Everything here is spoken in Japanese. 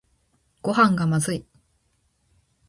ごはんがまずい